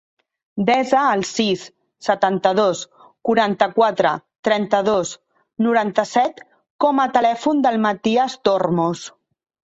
Desa el sis, setanta-dos, quaranta-quatre, trenta-dos, noranta-set com a telèfon del Matías Tormos.